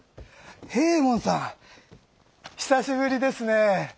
平右衛門さん久しぶりですね。